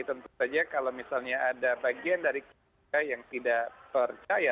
tentu saja kalau misalnya ada bagian dari kita yang tidak percaya